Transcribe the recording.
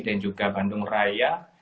dan juga bandung raya